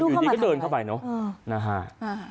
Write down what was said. อยู่ดิก็เดินเข้าไปเนอะ